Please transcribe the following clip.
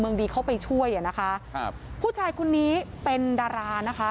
วันดีเขาไปช่วยอะนะคะฮือผู้ชายคนนี้เป็นดารานะคะ